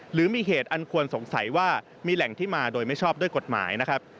หรือมีเหตุอันควรสงสัยว่ามีแหล่งที่มาโดยไม่ชอบด้วยกฎหมายนะครับ